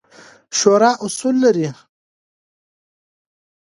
شورا اصول لري